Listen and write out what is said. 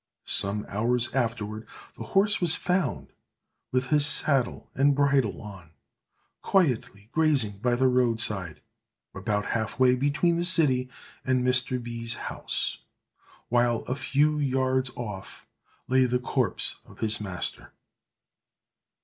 Some hours afterward, the horse was found, with his saddle and bridle on, quietly grazing by the roadside, about half way between the city and Mr. B——'s house; while, a few yards off, lay the corpse of his master!